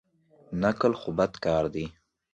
نقل خو بد کار دئ.